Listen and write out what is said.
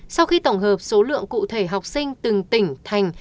sau khi tổng hợp số lượng cụ thể học sinh từng tỉnh thành